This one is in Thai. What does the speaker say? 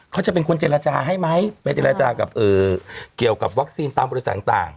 เขาจะเป็นคนเจรจาให้ไหมไปเจรจากับเกี่ยวกับวัคซีนตามบริษัทต่าง